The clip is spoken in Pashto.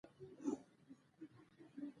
نوموړي هڅه کوله یو ځل بیا ټربیون وټاکل شي